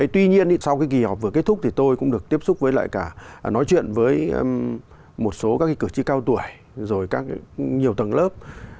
tuy nhiên sau cái kỳ họp vừa kết thúc thì tôi cũng được tiếp xúc với lại cả nói chuyện với một số các cái cử tri cao tuổi rồi các nhiều tầng lớp